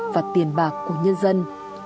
và tiền bạc của nhân dân